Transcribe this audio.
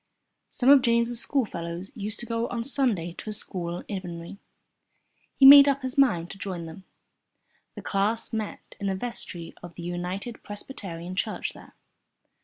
Some of James' schoolfellows used to go on Sundays to a school in Inverary. He made up his mind to join them. The class met in the vestry of the United Presbyterian Church there.